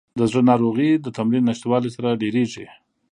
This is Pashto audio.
د زړه ناروغۍ د تمرین نشتوالي سره ډېریږي.